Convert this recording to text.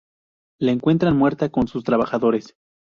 La encuentran muerta con sus trabajadores.